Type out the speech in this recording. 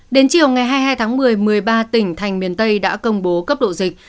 đến chiều ngày hai mươi hai tháng một mươi một mươi ba tỉnh thành miền tây đã công bố cấp độ dịch